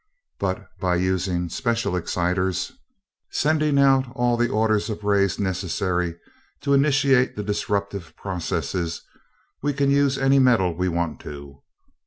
But by using special exciters, sending out all the orders of rays necessary to initiate the disruptive processes, we can use any metal we want to.